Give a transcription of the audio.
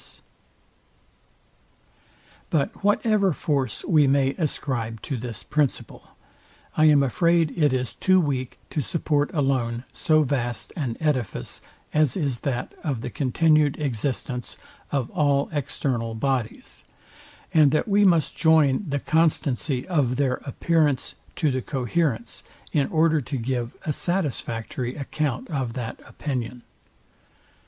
Part II, Sect. 4. But whatever force we may ascribe to this principle, I am afraid it is too weak to support alone so vast an edifice, as is that of the continued existence of all external bodies; and that we must join the constancy of their appearance to the coherence, in order to give a satisfactory account of that opinion.